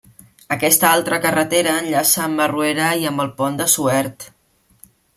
Aquesta altra carretera enllaça amb Barruera i amb el Pont de Suert.